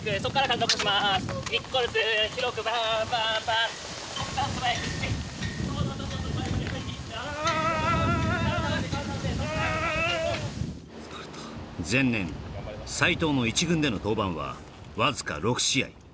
疲れた前年斎藤の１軍での登板はわずか６試合